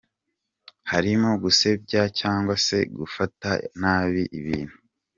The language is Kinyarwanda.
Harimo gusebanya cyangwa se gufata nabi ibintu.